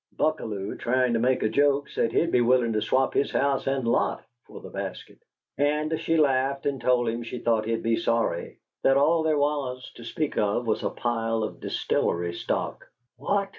Buckalew, tryin' to make a joke, said he'd be willin' to swap HIS house and lot for the basket, and she laughed and told him she thought he'd be sorry; that all there was, to speak of, was a pile of distillery stock " "What?"